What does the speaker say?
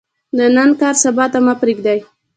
د نن کار سبا ته مه پریږدئ